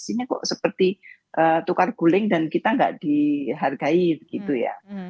ini kok seperti tukar guling dan kita nggak dihargai begitu ya